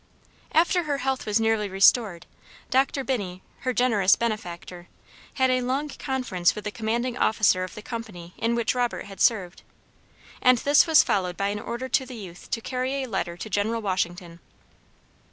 After her health was nearly restored, Doctor Binney, her generous benefactor, had a long conference with the commanding officer of the company in which Robert had served, and this was followed by an order to the youth to carry a letter to General Washington.